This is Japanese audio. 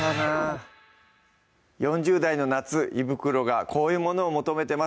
４０代の夏胃袋がこういうものを求めてます